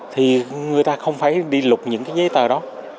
thì người ta không phải đi lục những cái giấy tờ đó